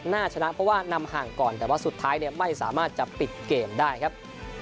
ชนะเพราะว่านำห่างก่อนแต่ว่าสุดท้ายไม่สามารถจะปิดเกมได้ครับ